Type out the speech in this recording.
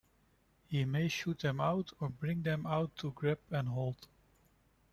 He may shoot them out or bring them out to grab and hold.